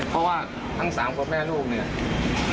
เพราะว่าทั้ง๓กับแม่ลูกเนี่ย